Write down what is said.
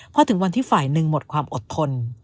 พอถึงวันที่ฝ่ายหนึ่งหมดความอดทน